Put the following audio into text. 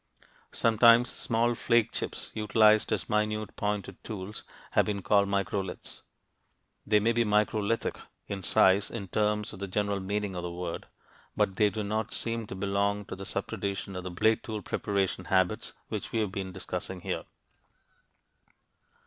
Sometimes small flake chips, utilized as minute pointed tools, have been called "microliths." They may be microlithic in size in terms of the general meaning of the word, but they do not seem to belong to the sub tradition of the blade tool preparation habits which we have been discussing here.